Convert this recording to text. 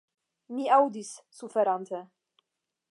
Mi aŭdis, suferante.